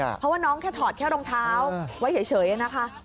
เพราะว่าน้องแค่ถอดแค่รองเท้าไว้เฉยนะคะ